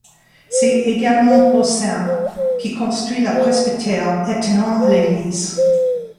C'est également Bossan qui construit le presbytère attenant à l'église.